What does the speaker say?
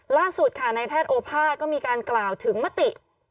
ล่าสุดค่ะในแพทย์โอภาษก็มีการกล่าวถึงมติ